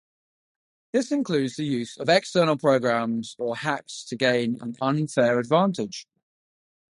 This includes the use of external programs or hacks to gain an unfair advantage.